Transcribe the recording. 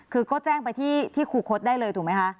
คือก็แจ้งไปที่ครูคดได้เลยถูกไหมคะ